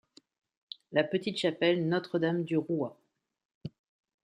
La petite chapelle Notre-Dame du Roua.